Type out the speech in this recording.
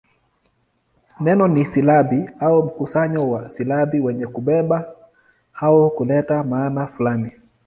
Neno ni silabi au mkusanyo wa silabi wenye kubeba au kuleta maana fulani.